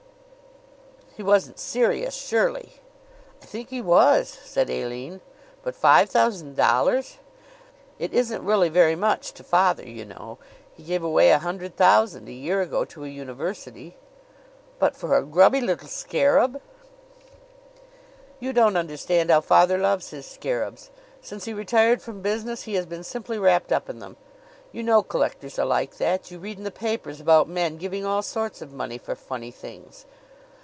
"He wasn't serious, surely!" "I think he was," said Aline. "But five thousand dollars!" "It isn't really very much to father, you know. He gave away a hundred thousand a year ago to a university." "But for a grubby little scarab!" "You don't understand how father loves his scarabs. Since he retired from business, he has been simply wrapped up in them. You know collectors are like that. You read in the papers about men giving all sorts of money for funny things."